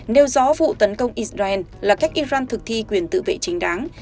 nêu rõ vụ tấn công israel là cách iran thực thi quyền tự vệ chính đáng